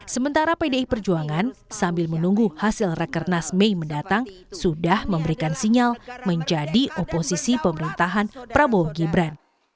sementara pdi perjuangan sambil menunggu hasil rekernas mei mendatang sudah memberikan sinyal menjadi oposisi pemerintahan prabowo gibran